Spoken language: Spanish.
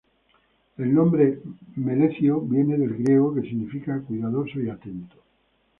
El nombre Melecio viene del Griego que significa cuidadoso y atento.